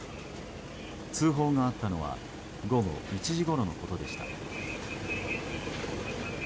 通報があったのは午後１時ごろのことでした。